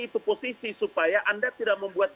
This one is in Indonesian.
itu posisi supaya anda tidak membuat